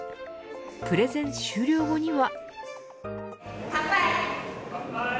プレゼン終了後には。